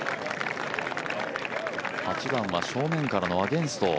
８番は正面からのアゲンスト。